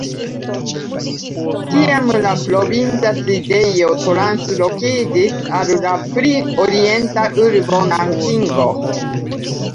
Tiam la provinca sidejo translokiĝis al la pli orienta urbo Nankingo.